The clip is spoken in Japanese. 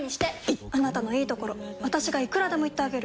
いっあなたのいいところ私がいくらでも言ってあげる！